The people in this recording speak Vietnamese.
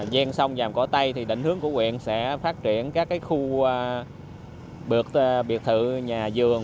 gian sông vàm cỏ tây thì định hướng của quyện sẽ phát triển các khu biệt thự nhà vườn